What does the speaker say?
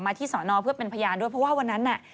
ที่สอนอเพื่อเป็นพยานด้วยเพราะว่าวันนั้นน่ะ